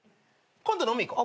今度飲みに行こう。